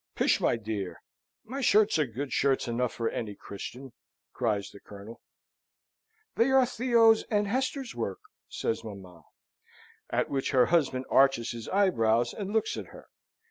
"Pish, my dear! my shirts are good shirts enough for any Christian," cries the Colonel. "They are Theo's and Hester's work," says mamma. At which her husband arches his eyebrows and looks at her.